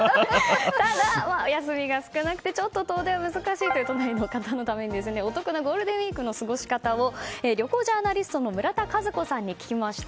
休みが少なくて遠出が難しいという都内の方のためにお得な、ゴールデンウィークの過ごし方を旅行ジャーナリストの村田和子さんに聞きました。